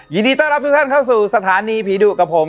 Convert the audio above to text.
ยินดีต้อนรับทุกท่านเข้าสู่สถานีผีดุกับผม